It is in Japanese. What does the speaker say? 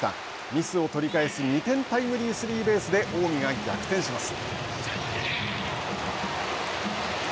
ミスを取り返す２点タイムリースリーベースで近江が逆転します。